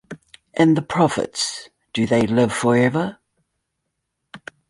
And the Prophets, Do They Live Forever?